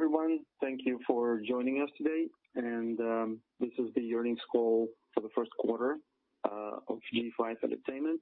Hello, everyone. Thank you for joining us today. This is the earnings call for the first quarter of G5 Entertainment.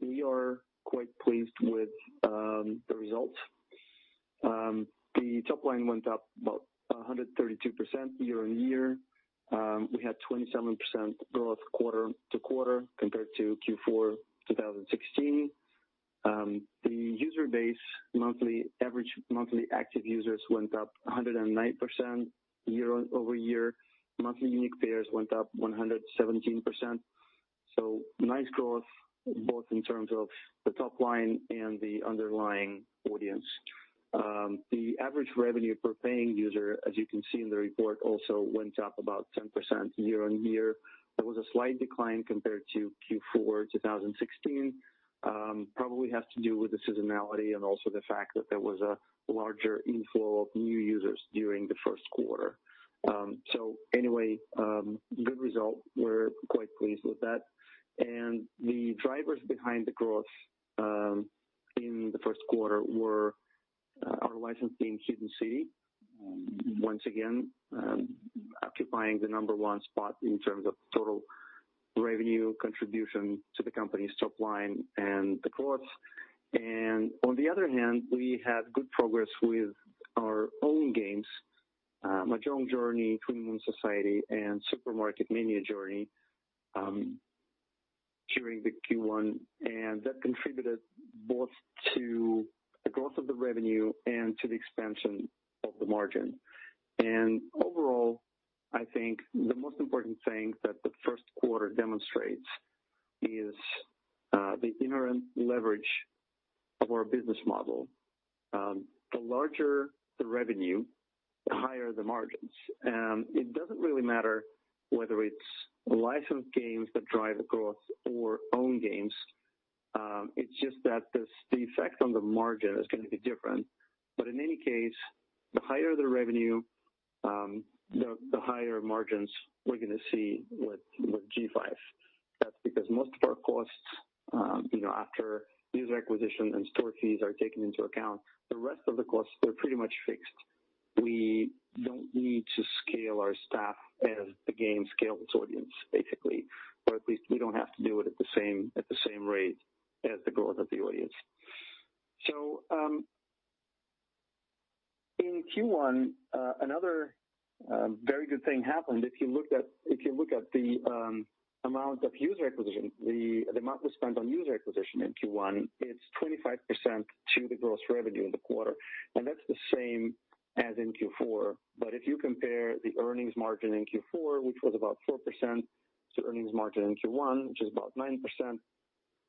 We are quite pleased with the results. The top line went up about 132% year-on-year. We had 27% growth quarter-to-quarter compared to Q4 2016. The user base, average monthly active users went up 109% year-over-year. Monthly unique payers went up 117%. Nice growth both in terms of the top line and the underlying audience. The average revenue per paying user, as you can see in the report, also went up about 10% year-on-year. There was a slight decline compared to Q4 2016. Probably has to do with the seasonality and also the fact that there was a larger inflow of new users during the first quarter. Anyway, good result. We're quite pleased with that. The drivers behind the growth in the first quarter were our licensing Hidden City, once again, occupying the number one spot in terms of total revenue contribution to the company's top line and the growth. On the other hand, we had good progress with our own games, Mahjong Journey, The Secret Society, and Supermarket Mania Journey during the Q1. That contributed both to the growth of the revenue and to the expansion of the margin. Overall, I think the most important thing that the first quarter demonstrates is the inherent leverage of our business model. The larger the revenue, the higher the margins. It doesn't really matter whether it's licensed games that drive the growth or own games. It's just that the effect on the margin is going to be different. In any case, the higher the revenue, the higher margins we're going to see with G5. That's because most of our costs, after user acquisition and store fees are taken into account, the rest of the costs are pretty much fixed. We don't need to scale our staff as the game scales its audience, basically. Or at least we don't have to do it at the same rate as the growth of the audience. In Q1, another very good thing happened. If you look at the amount we spent on user acquisition in Q1, it's 25% to the gross revenue in the quarter, and that's the same as in Q4. If you compare the earnings margin in Q4, which was about 4%, to earnings margin in Q1, which is about 9%,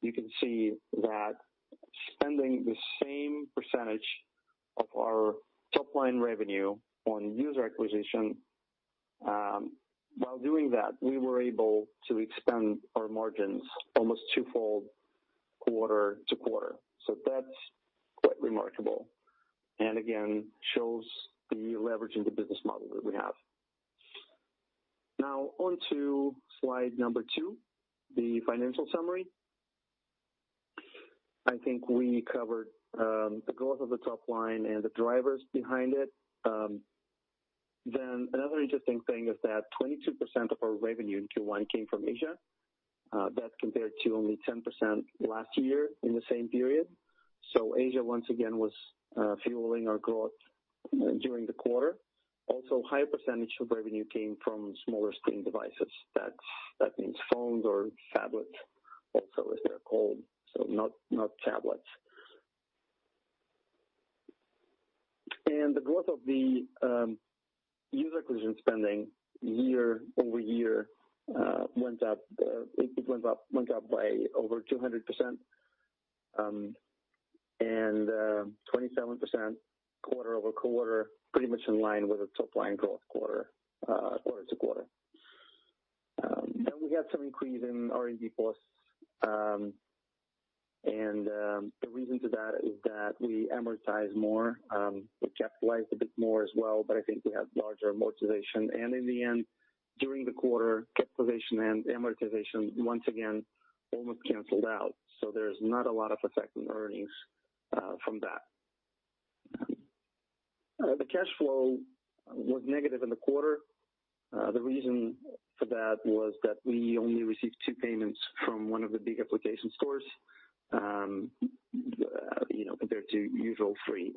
you can see that spending the same percentage of our top-line revenue on user acquisition. While doing that, we were able to expand our margins almost twofold quarter-to-quarter. That's quite remarkable, and again, shows the leverage in the business model that we have. Now on to slide number two, the financial summary. I think we covered the growth of the top line and the drivers behind it. Another interesting thing is that 22% of our revenue in Q1 came from Asia. That compared to only 10% last year in the same period. Asia, once again, was fueling our growth during the quarter. Also, a high percentage of revenue came from smaller screen devices. That means phones or tablets also, as they're called, so not tablets. The growth of the user acquisition spending year-over-year went up by over 200% and 27% quarter-over-quarter, pretty much in line with the top line growth quarter-to-quarter. We had some increase in R&D costs. The reason to that is that we amortize more. We capitalized a bit more as well, but I think we had larger amortization, and in the end, during the quarter, capitalization and amortization once again almost canceled out. There's not a lot of effect on earnings from that. The cash flow was negative in the quarter. The reason for that was that we only received two payments from one of the big application stores compared to the usual three.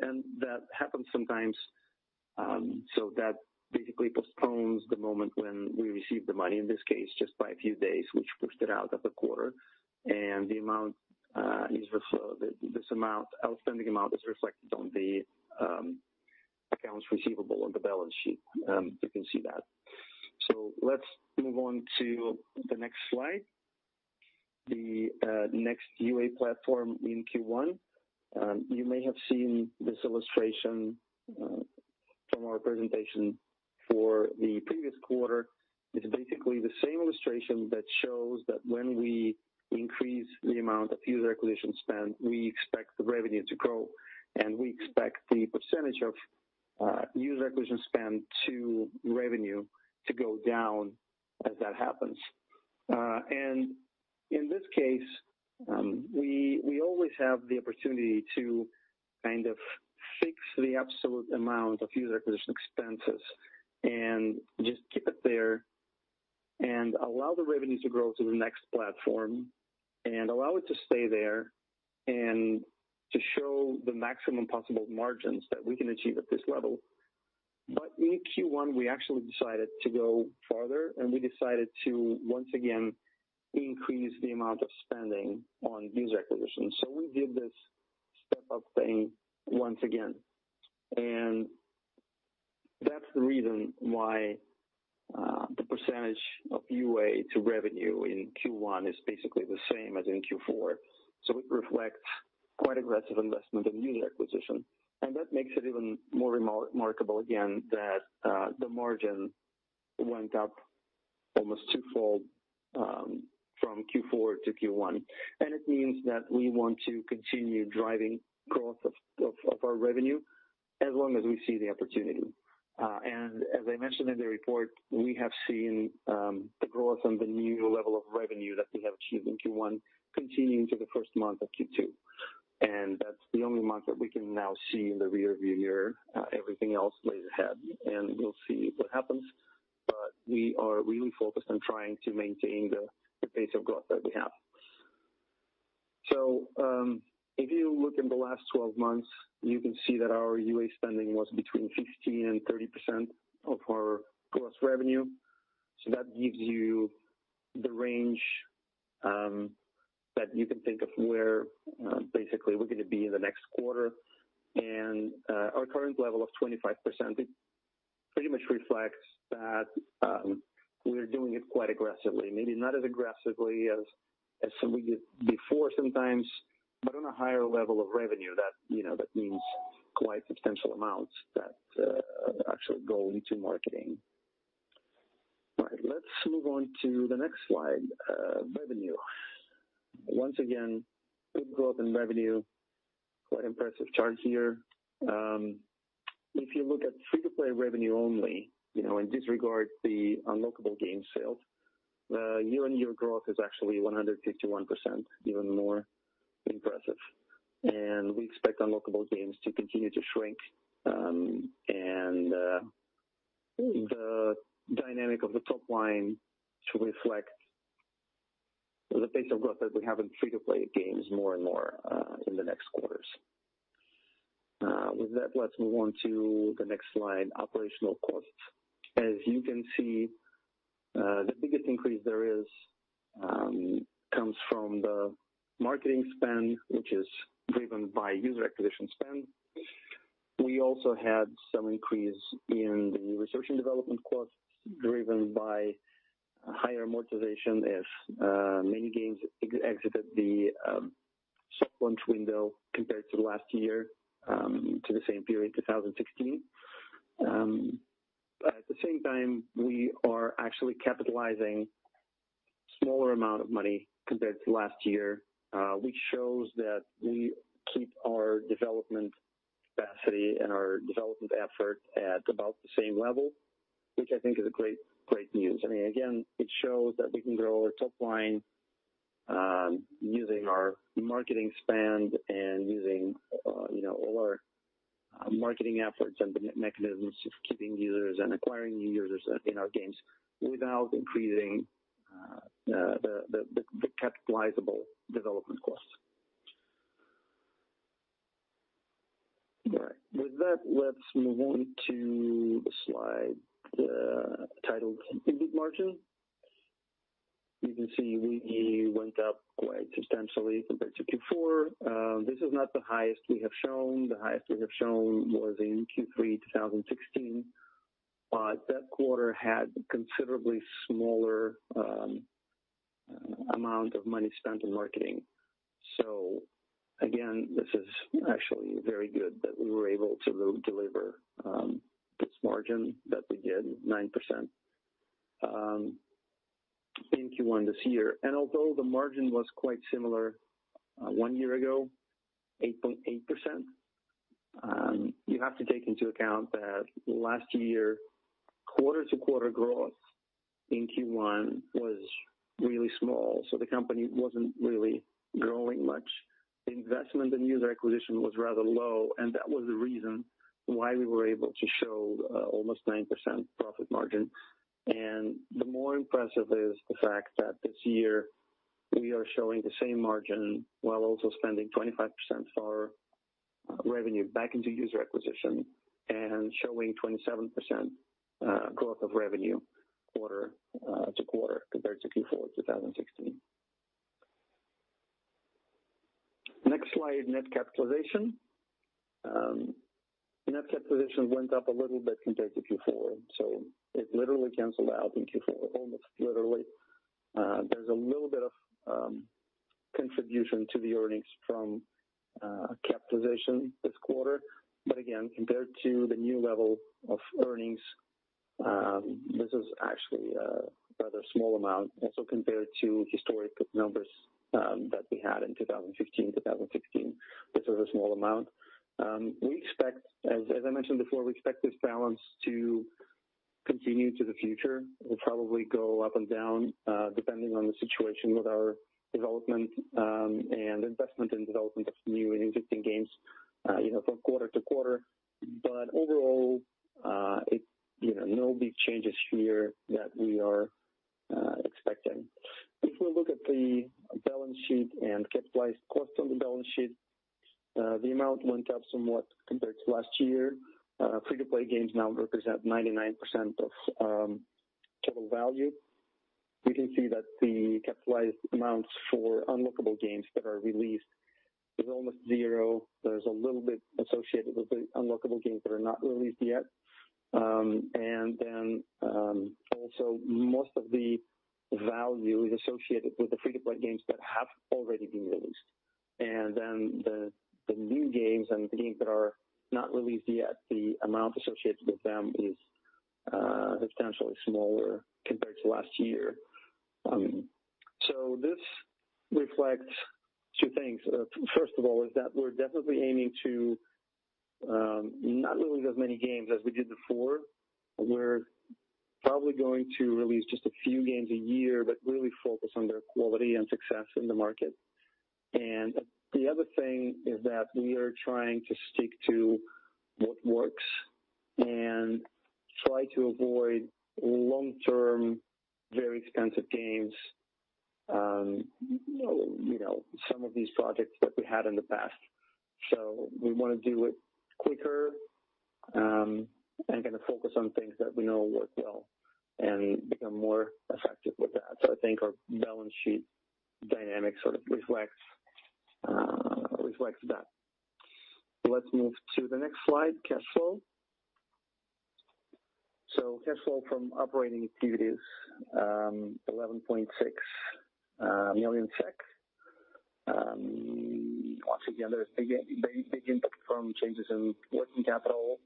That basically postpones the moment when we receive the money, in this case, just by a few days, which pushed it out of the quarter. The outstanding amount is reflected on the accounts receivable on the balance sheet, you can see that. Let's move on to the next slide. The next UA platform in Q1. You may have seen this illustration from our presentation for the previous quarter. It's basically the same illustration that shows that when we increase the amount of user acquisition spend, we expect the revenue to grow, and we expect the percentage of user acquisition spend to revenue to go down as that happens. In this case, we always have the opportunity to kind of fix the absolute amount of user acquisition expenses and just keep it there and allow the revenue to grow to the next platform and allow it to stay there and to show the maximum possible margins that we can achieve at this level. In Q1, we actually decided to go farther, and we decided to, once again, increase the amount of spending on user acquisition. We did this step-up thing once again. That's the reason why the percentage of UA to revenue in Q1 is basically the same as in Q4. It reflects quite aggressive investment in user acquisition. That makes it even more remarkable, again, that the margin went up almost twofold from Q4 to Q1. It means that we want to continue driving growth of our revenue as long as we see the opportunity. As I mentioned in the report, we have seen the growth on the new level of revenue that we have achieved in Q1 continue into the first month of Q2. That's the only month that we can now see in the rearview mirror. Everything else lays ahead, and we'll see what happens. We are really focused on trying to maintain the pace of growth that we have. If you look in the last 12 months, you can see that our UA spending was between 15% and 30% of our gross revenue. That gives you the range that you can think of where basically we're going to be in the next quarter. Our current level of 25% pretty much reflects that we're doing it quite aggressively. Maybe not as aggressively as we did before sometimes, but on a higher level of revenue, that means quite substantial amounts that actually go into marketing. All right. Let's move on to the next slide. Revenue. Once again, good growth in revenue. Quite impressive chart here. If you look at free-to-play revenue only and disregard the unlockable game sales, the year-on-year growth is actually 151%, even more impressive. We expect unlockable games to continue to shrink and the dynamic of the top line to reflect the pace of growth that we have in free-to-play games more and more in the next quarters. Let's move on to the next slide, operational costs. You can see, the biggest increase there comes from the marketing spend, which is driven by user acquisition spend. We also had some increase in the research and development costs driven by higher amortization as many games exited the soft launch window compared to last year to the same period, 2016. The same time, we are actually capitalizing a smaller amount of money compared to last year, which shows that we keep our development capacity and our development effort at about the same level, which I think is great news. It shows that we can grow our top line using our marketing spend and using all our marketing efforts and the mechanisms of keeping users and acquiring new users in our games without increasing the capitalizable development costs. All right. Let's move on to the slide titled EBIT margin. You can see we went up quite substantially compared to Q4. This is not the highest we have shown. The highest we have shown was in Q3 2016, but that quarter had a considerably smaller amount of money spent in marketing. This is actually very good that we were able to deliver this margin that we did, 9%, in Q1 this year. Although the margin was quite similar one year ago, 8.8%, you have to take into account that last year, quarter-to-quarter growth in Q1 was really small. The company wasn't really growing much. Investment in user acquisition was rather low, and that was the reason why we were able to show almost 9% profit margin. The more impressive is the fact that this year we are showing the same margin while also spending 25% of our revenue back into user acquisition and showing 27% growth of revenue quarter-to-quarter compared to Q4 2016. Next slide, net capitalization. Net capitalization went up a little bit compared to Q4, so it literally canceled out in Q4, almost literally. There's a little bit of contribution to the earnings from capitalization this quarter. Again, compared to the new level of earnings, this is actually a rather small amount. Compared to historic numbers that we had in 2015, 2016, this was a small amount. I mentioned before, we expect this balance to continue into the future. It will probably go up and down depending on the situation with our development and investment in development of new and existing games from quarter-to-quarter. Overall, no big changes here that we are expecting. We look at the balance sheet and capitalized costs on the balance sheet, the amount went up somewhat compared to last year. Free-to-play games now represent 99% of total value. We can see that the capitalized amounts for unlockable games that are released is almost zero. There's a little bit associated with the unlockable games that are not released yet. Then, also, most of the value is associated with the free-to-play games that have already been released. Then the new games and the games that are not released yet, the amount associated with them is substantially smaller compared to last year. This reflects two things. First of all, is that we're definitely aiming to not release as many games as we did before. We're probably going to release just a few games a year, but really focus on their quality and success in the market. The other thing is that we are trying to stick to what works and try to avoid long-term, very expensive games, some of these projects that we had in the past. We want to do it quicker, and kind of focus on things that we know work well and become more effective with that. I think our balance sheet dynamic sort of reflects that. Let's move to the next slide, cash flow. Cash flow from operating activities, 11.6 million SEK. Once again, there is a big input from changes in working capital,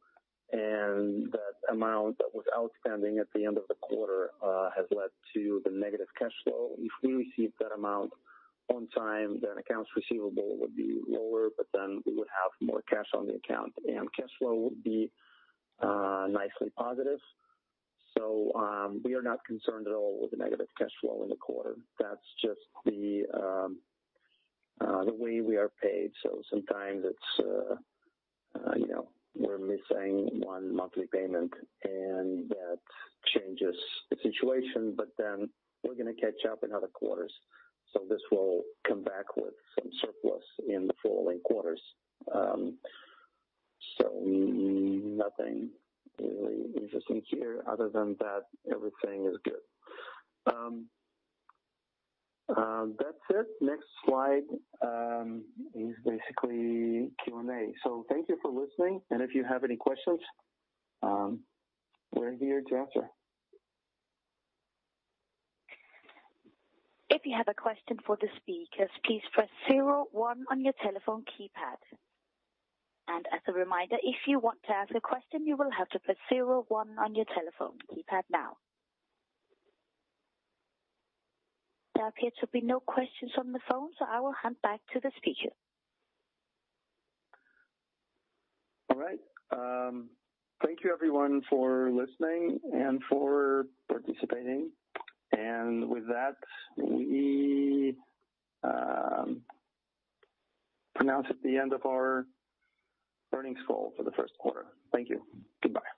that amount that was outstanding at the end of the quarter has led to the negative cash flow. If we receive that amount on time, accounts receivable would be lower, we would have more cash on the account, cash flow would be nicely positive. We are not concerned at all with the negative cash flow in the quarter. That's just the way we are paid. Sometimes we're missing one monthly payment, that changes the situation. We're going to catch up in other quarters, this will come back with some surplus in the following quarters. Nothing really interesting here other than that everything is good. That's it. Next slide is basically Q&A. Thank you for listening, if you have any questions, we're here to answer. If you have a question for the speakers, please press zero one on your telephone keypad. As a reminder, if you want to ask a question, you will have to press zero one on your telephone keypad now. There appear to be no questions on the phone, I will hand back to the speaker. All right. Thank you everyone for listening and for participating. With that, we pronounce it the end of our earnings call for the first quarter. Thank you. Goodbye.